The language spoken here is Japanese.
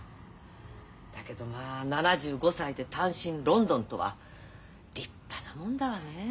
だけどまあ７５歳で単身ロンドンとは立派なもんだわねえ。